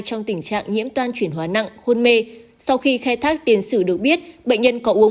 trong tình trạng nhiễm toan chuyển hóa nặng khuôn mê sau khi khai thác tiền sử được biết bệnh nhân có uống